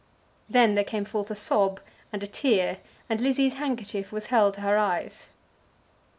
Then there came forth a sob, and a tear, and Lizzie's handkerchief was held to her eyes.